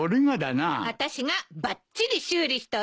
あたしがばっちり修理しておいたわ。